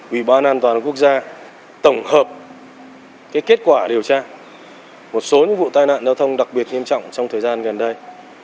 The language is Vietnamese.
ủy ban an toàn quốc gia tổng hợp kết quả điều tra một số vụ tai nạn giao thông đặc biệt nghiêm trọng trong thời gian gần đây